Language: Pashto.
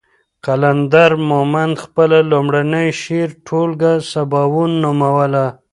قلندر مومند خپله لومړۍ شعري ټولګه سباوون نوموله.